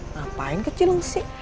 ngapain ke cilengsi